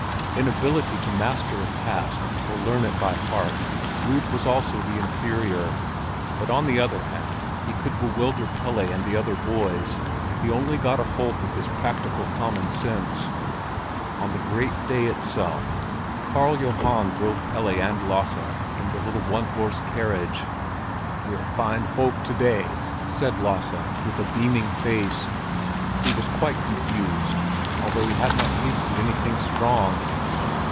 In ability to master a task or learn it by heart, Rud was also the inferior; but on the other hand he could bewilder Pelle and the other boys, if he only got a hold with his practical common sense. On the great day itself, Karl Johan drove Pelle and Lasse in the little one horse carriage. "We're fine folk to day!" said Lasse, with a beaming face. He was quite confused, although he had not tasted anything strong.